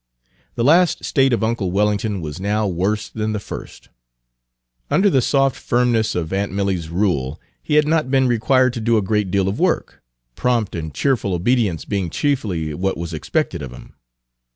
The last state of uncle Wellington was now worse than the first. Under the soft firmness of aunt Milly's rule, he had not been required to do a great deal of work, prompt and cheerful obedience being chiefly what was expected of him.